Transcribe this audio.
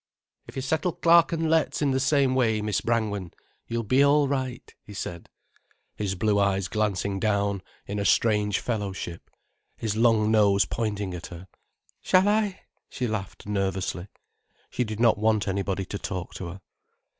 "If you settle Clarke and Letts in the same way, Miss Brangwen, you'll be all right," he said, his blue eyes glancing down in a strange fellowship, his long nose pointing at her. "Shall I?" she laughed nervously. She did not want anybody to talk to her.